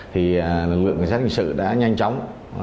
thì lực lượng cảnh sát hình sự đã nhanh chóng